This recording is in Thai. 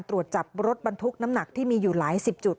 ตรวจจับรถบรรทุกน้ำหนักที่มีอยู่หลายสิบจุด